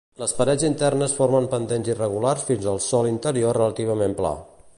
Les parets internes formen pendents irregulars fins al sòl interior relativament pla.